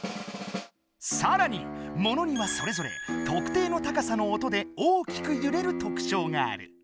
さらに物にはそれぞれ特定の高さの音で大きくゆれるとくちょうがある。